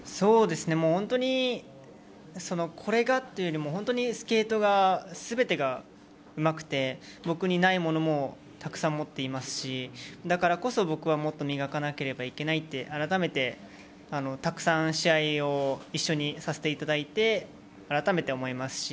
本当に、これがというよりも、本当にスケートが全てがうまくて僕にないものをたくさん持っていますしだからこそ僕はもっと磨かなければいけないとあらためてたくさん試合を一緒にさせていただいてあらためて思います。